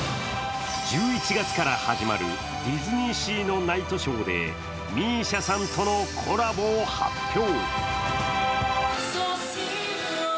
１１月から始まるディズニーシーのナイトショーでＭＩＳＩＡさんとのコラボを発表。